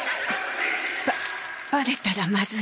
ババレたらまずい。